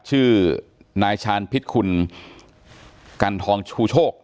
ชื่อนายชาลพิษคุณกัณฑฮูโชก